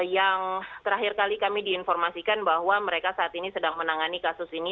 yang terakhir kali kami diinformasikan bahwa mereka saat ini sedang menangani kasus ini